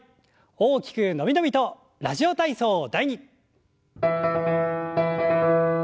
大きく伸び伸びと「ラジオ体操第２」。